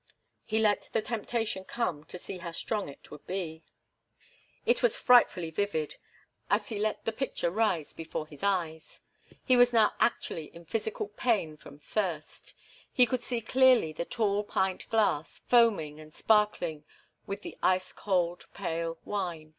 He let the temptation come to see how strong it would be. It was frightfully vivid, as he let the picture rise before his eyes. He was now actually in physical pain from thirst. He could see clearly the tall pint glass, foaming and sparkling with the ice cold, pale wine.